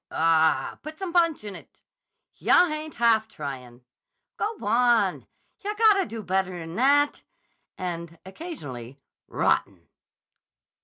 "Ah h h, put some punch in it!" "Yah ain't haff trying!" "Go wan! Yah gotta do better'n'at!" And, occasionally, "Rotten!"